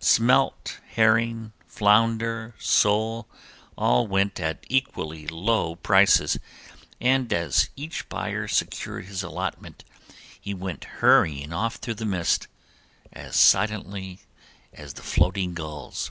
Smelt, herring, flounder, sole, all went at equally low prices, and as each buyer secured his allotment he went hurrying off through the mist, as silently as the floating gulls.